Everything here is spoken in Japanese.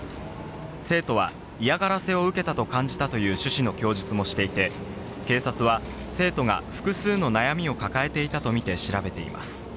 生徒は嫌がらせを受けたと感じたという趣旨の供述もしていて、警察は生徒が複数の悩みを抱えていたとみて調べています。